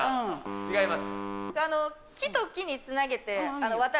違います。